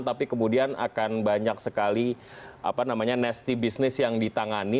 tapi kemudian akan banyak sekali apa namanya nasty business yang ditangani